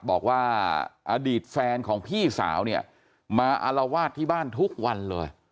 บอกว่าอดีตแฟนของพี่สาวเนี่ยมาอารวาสที่บ้านทุกวันเลย